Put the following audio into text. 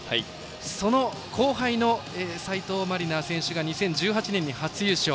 その後輩の斉藤真理菜選手が２０１８年に初優勝。